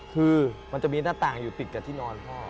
คือมันจะมีหน้าต่างอยู่ติดกับที่นอนพ่อ